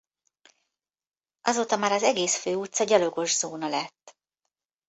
Azóta már az egész Fő utca gyalogos zóna lett.